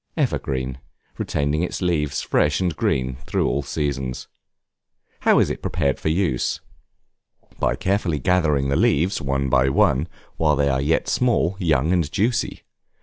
Evergreen, retaining its leaves fresh and green through all seasons. How is it prepared for use? By carefully gathering the leaves, one by one, while they are yet small, young, and juicy.